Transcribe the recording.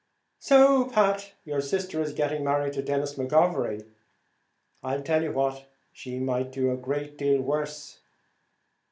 "So, Pat, your sister is getting married to Denis McGovery. I'll tell you what she might do a deal worse."